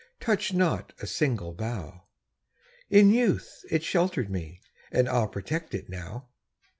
Touch not a single bough! In youth it sheltered me, And I'll protect it now.